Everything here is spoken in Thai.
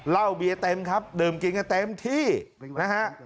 เหล้าเบียร์เต็มครับดื่มกินกันเต็มที่นะฮะ